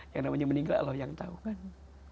yang namanya meninggal loh yang tau kan